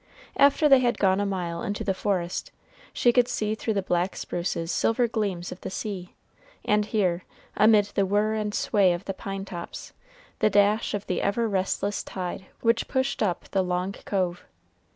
After they had gone a mile into the forest, she could see through the black spruces silver gleams of the sea, and hear, amid the whirr and sway of the pine tops, the dash of the ever restless tide which pushed up the long cove.